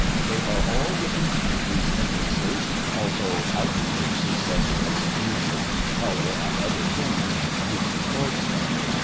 They are all within you, these entrances, although outer cases such as colour, music and other things lead you towards them.